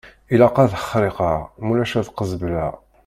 Ilaq ad ḥerrekeɣ mulac ad qezbeleɣ!